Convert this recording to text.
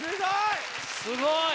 すごい！